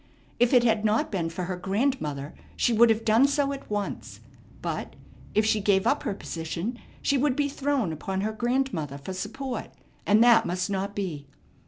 If it had not been for her grandmother, she would have done so at once; but, if she gave up her position, she would be thrown upon her grandmother for support, and that must not be.